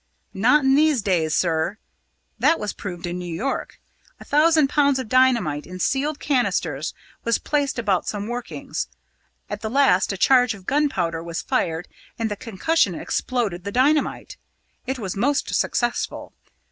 "Not in these days, sir. That was proved in New York. A thousand pounds of dynamite, in sealed canisters, was placed about some workings. At the last a charge of gunpowder was fired, and the concussion exploded the dynamite. It was most successful.